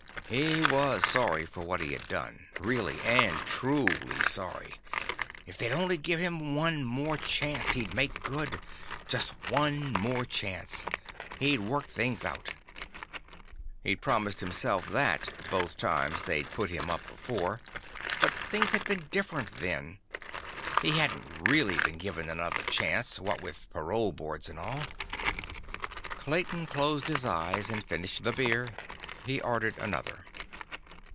He was sorry for what he had done—really and truly sorry. If they'd only give him one more chance, he'd make good. Just one more chance. He'd work things out. He'd promised himself that both times they'd put him up before, but things had been different then. He hadn't really been given another chance, what with parole boards and all. Clayton closed his eyes and finished the beer. He ordered another.